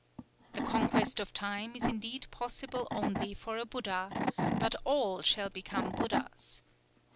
The conquest of Time is indeed possible only for a Buddha; but all shall become Buddhas.